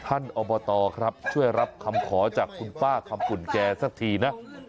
อบตครับช่วยรับคำขอจากคุณป้าคำปุ่นแกสักทีนะ